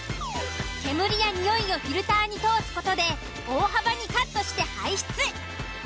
煙やニオイをフィルターに通す事で大幅にカットして排出。